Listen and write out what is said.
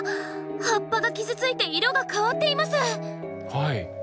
葉っぱが傷ついて色が変わっています。